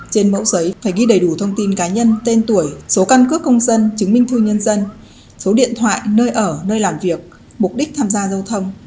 trên mẫu giấy phải ghi đầy đủ thông tin cá nhân tên tuổi số căn cước công dân chứng minh thư nhân dân số điện thoại nơi ở nơi làm việc mục đích tham gia giao thông